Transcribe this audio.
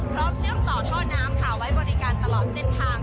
เชื่อมต่อท่อน้ำค่ะไว้บริการตลอดเส้นทาง